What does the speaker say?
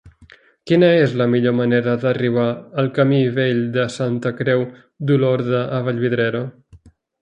Quina és la millor manera d'arribar al camí Vell de Santa Creu d'Olorda a Vallvidrera?